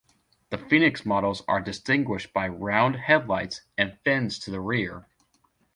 The Phoenix models are distinguished by round headlights and fins to the rear.